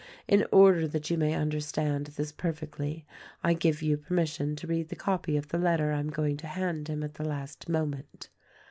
In order that you may under stand this perfectly I give you permission to read the copy of the letter I am going to hand him at the last moment.